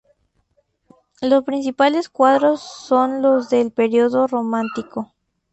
Los principales cuadros son los del periodo romántico.